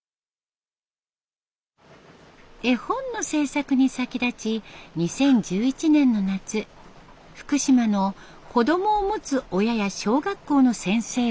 絵本の制作に先立ち２０１１年の夏福島の子供を持つ親や小学校の先生を取材。